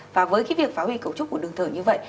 và với cái việc phá hình cấu trúc của đường thở như vậy